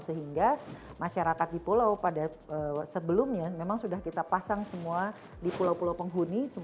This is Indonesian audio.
sehingga masyarakat di pulau pada sebelumnya memang sudah kita pasang semua di pulau pulau penghuni